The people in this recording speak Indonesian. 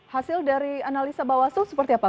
hasil dari analisa bawaslu seperti apa